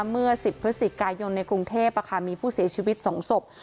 เมื่อสิทธิ์พฤติกายนในกรุงเทพฯมีผู้เสียชีวิตส่องศพ